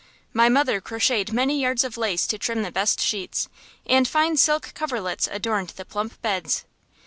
My mother crocheted many yards of lace to trim the best sheets, and fine silk coverlets adorned the plump beds.